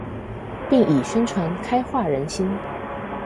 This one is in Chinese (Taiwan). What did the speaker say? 並以宣傳開化人心